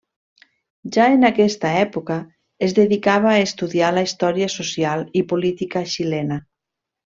Ja en aquesta època es dedicava a estudiar la història social i política xilena.